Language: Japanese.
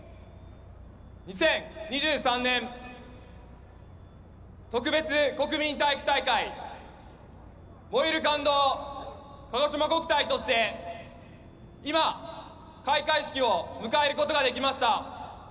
２０２３年特別国民体育大会「燃ゆる感動かごしま国体」として今、開会式を迎えることができました。